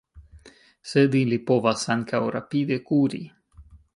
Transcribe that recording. Sed ili povas ankaŭ rapide kuri.